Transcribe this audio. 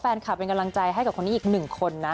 แฟนคาเป็นกำลังใจให้กับคนนี้อีก๑คนนะ